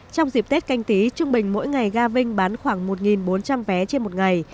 trong dịp tết canh tí trung bình mỗi ngày ga vinh bán khoảng một bốn trăm linh vé trên một ngày